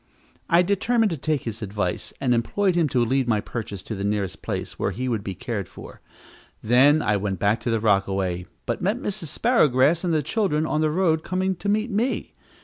I determined to take his advice, and employed him to lead my purchase to the nearest place where he would be cared for. Then I went back to the rockaway, but met Mrs. Sparrowgrass and the children on the road coming to meet me.